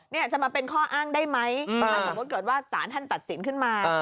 นี่จะมาเป็นข้ออ้างได้ไหมถ้าสมมุติเกิดว่าสารท่านตัดสินขึ้นมา